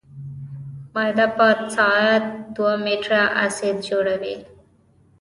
معده په ساعت دوه لیټره اسید جوړوي.